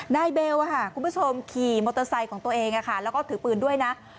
เบลคุณผู้ชมขี่มอเตอร์ไซค์ของตัวเองแล้วก็ถือปืนด้วยนะ